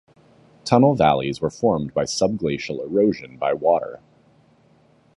Tunnel valleys were formed by subglacial erosion by water.